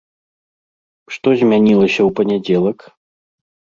Што змянілася ў панядзелак?